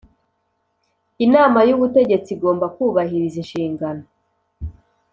Inama y Ubutegetsi igomba kubahiriza inshingano